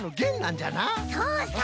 そうそう！